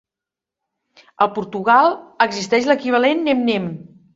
A Portugal, existeix l"equivalent "nem-nem".